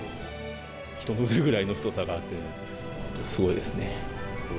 人の腕ぐらいの太さがあって、すごいですね。